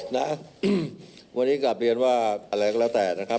นะวันนี้กลับเรียนว่าอะไรก็แล้วแต่นะครับ